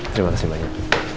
terima kasih banyak